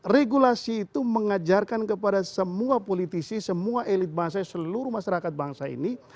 regulasi itu mengajarkan kepada semua politisi semua elit bangsa seluruh masyarakat bangsa ini